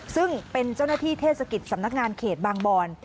ซึ่งเป็นเจ้าหน้าที่เทศกิจสำนักงานเขตบางบอน